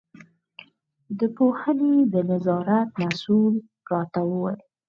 د پوهنې د نظارت مسوول راته وویل.